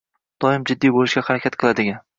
Doim jiddiy bo‘lishga harakat qiladigan